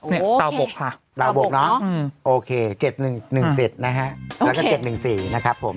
นี่เปาบกค่ะเปาบกน่ะโอเค๗๑๔๐นะฮะแล้วก็๗๑๔นะครับผม